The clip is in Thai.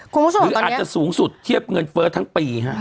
คุณผู้ชมว่าตอนนี้อาจจะสูงสุดเทียบเงินเฟ้อทั้งปี